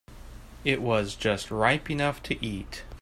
It was just ripe enough to eat.